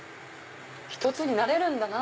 １つになれるんだなぁ。